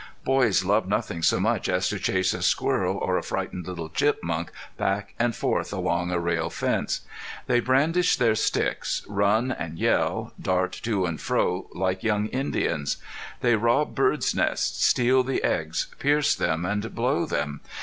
Boys love nothing so much as to chase a squirrel or a frightened little chipmunk back and forth along a rail fence. They brandish their sticks, run and yell, dart to and fro, like young Indians. They rob bird's nests, steal the eggs, pierce them and blow them.